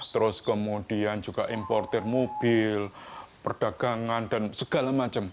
terus kemudian juga importer mobil perdagangan dan segala macam